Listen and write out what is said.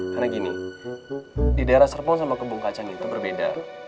karena gini di daerah serpong sama kebun kacang itu berbeda